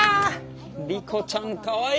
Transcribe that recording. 莉子ちゃんかわいい！